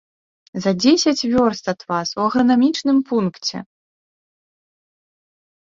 За дзесяць вёрст ад вас, у агранамічным пункце.